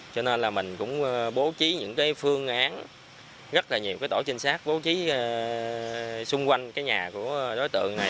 cho nên là mình cũng bố trí những cái phương án rất là nhiều cái tổ trinh sát bố trí xung quanh cái nhà của đối tượng này